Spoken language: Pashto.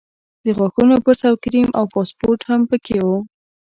د غاښونو برس او کریم او پاسپورټ هم په کې وو.